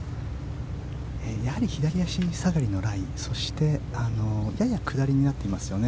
やはり左足下がりのライそしてやや下りになっていますよね。